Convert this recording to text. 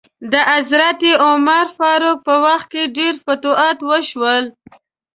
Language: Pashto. د حضرت عمر فاروق په وخت کې ډیر فتوحات وشول.